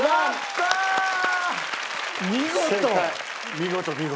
見事見事。